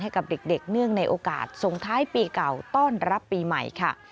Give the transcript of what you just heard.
ให้กับเด็กเนื่องในโอกาสส่งท้ายปีเก่าต้อนรับปีใหม่ค่ะ